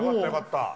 よかった。